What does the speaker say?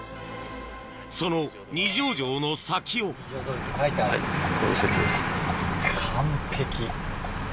その二条城の先を完璧！